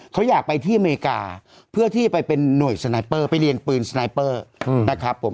เขาอยากไปที่อเมริกาเพื่อที่ไปเป็นหน่วยสไนเปอร์ไปเรียนปืนสไนเปอร์นะครับผม